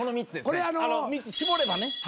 ３つ絞ればね。